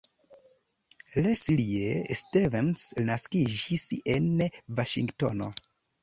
Leslie Stevens naskiĝis en Vaŝingtono.